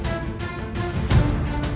aku akan menolongmu saat ini